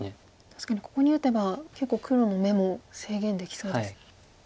確かにここに打てば結構黒の眼も制限できそうですね。